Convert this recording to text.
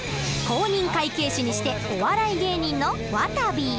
公認会計士にしてお笑い芸人のわたび。